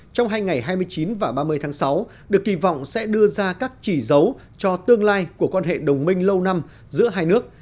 trong hai ngày hai mươi chín và ba mươi tháng sáu được kỳ vọng sẽ đưa ra các chỉ dấu cho tương lai của quan hệ đồng minh lâu năm giữa hai nước